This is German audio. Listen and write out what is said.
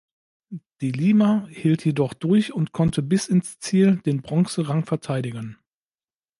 De Lima hielt jedoch durch und konnte bis ins Ziel den Bronzerang verteidigen.